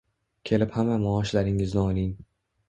Kelib hamma maoshlaringizni oling.